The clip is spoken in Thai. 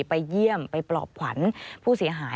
ไปเยี่ยมไปปลอบขวัญผู้เสียหาย